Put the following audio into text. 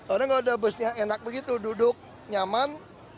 orang kalau ada busnya enak begitu duduk nyaman